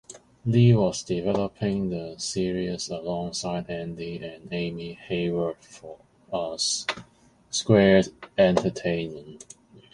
Lee was developing the series alongside Andy and Amy Heyward of A Squared Entertainment.